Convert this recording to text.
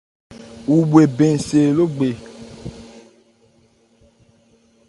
Wu bhwe bɛn se Logbe.